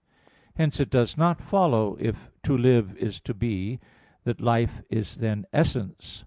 Hence it does not follow, if "to live" is "to be," that "life" is "essence."